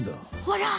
ほら！